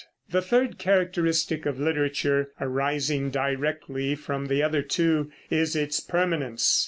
The third characteristic of literature, arising directly from the other two, is its permanence.